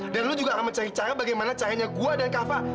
dan lo juga akan mencari cara bagaimana cahayanya gue dan kava